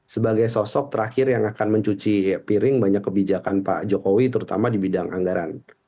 sebagai sosok terakhir yang akan mencuci piring banyak kebijakan pak jokowi terutama di bidang anggaran